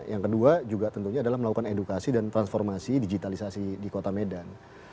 yang kedua juga tentunya adalah melakukan edukasi dan transformasi digitalisasi di kota medan